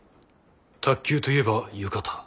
卓球といえば浴衣。